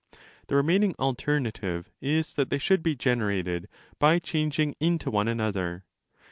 The remaining alternative is that they should be generated by changing into one another.